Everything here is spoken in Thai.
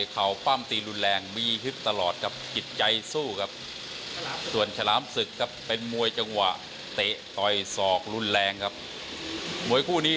ความพลาดนะครับศึกยศโมเทราสเต่านี้